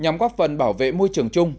môi trường chung